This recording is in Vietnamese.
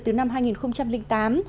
từ năm hai nghìn tám